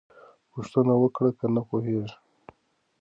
پوښتنه وکړه که نه پوهېږې.